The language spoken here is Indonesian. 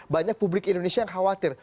banyak publik indonesia yang khawatir